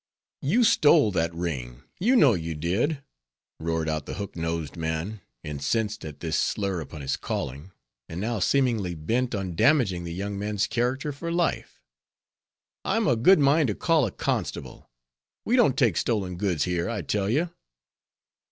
"You stole that ring, you know you did," roared out the hook nosed man, incensed at this slur upon his calling, and now seemingly bent on damaging the young man's character for life. "I'm a good mind to call a constable; we don't take stolen goods here, I tell you."